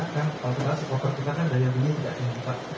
kan kalau tepatnya supporter kita kan dari yang beli tidak ada yang minta